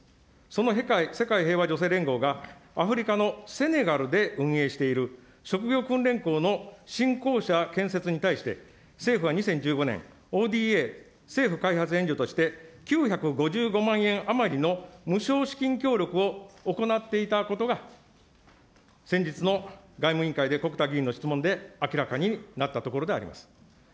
その世界平和女性連合がアフリカのセネガルで運営している職業訓練校の新校舎建設に対して、政府は２０１５年、ＯＤＡ・政府開発援助として、９５５万円余りの無償資金協力を行っていたことが、先日の外務委員会で、穀田議員の質問で明らかになったところであります。